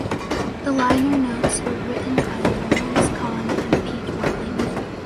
The liner notes were written by Lawrence Cohn and Pete Welding.